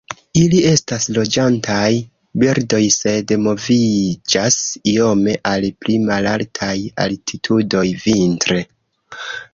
Ili estas loĝantaj birdoj, sed moviĝas iome al pli malaltaj altitudoj vintre.